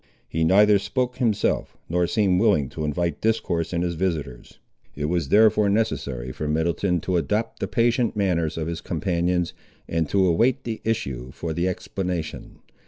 He neither spoke himself, nor seemed willing to invite discourse in his visiters; it was therefore necessary for Middleton to adopt the patient manners of his companions, and to await the issue for the explanation.